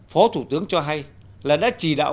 phó thủ tướng cho hay là đã chỉ đạo